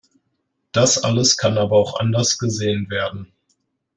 Das alles kann aber auch anders gesehen werden.